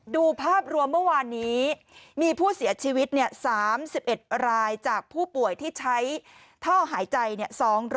ดูภาพรวมเมื่อวานนี้มีผู้เสียชีวิต๓๑รายจากผู้ป่วยที่ใช้ท่อหายใจ